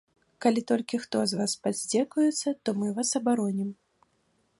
Калі толькі хто з вас паздзекуецца, то мы вас абаронім.